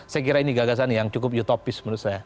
saya kira ini gagasan yang cukup utopis menurut saya